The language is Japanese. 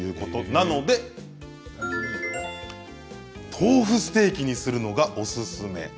なので豆腐ステーキにするのがおすすめ。